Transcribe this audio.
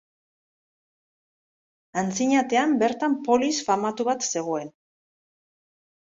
Antzinatean bertan polis famatu bat zegoen.